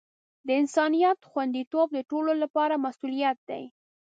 د انسانیت خوندیتوب د ټولو لپاره مسؤولیت دی.